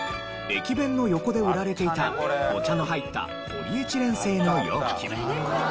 駅弁の横で売られていたお茶の入ったポリエチレン製の容器。